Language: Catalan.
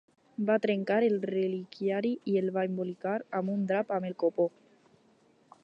Va trencar el reliquiari i el va embolicar amb un drap amb el copó.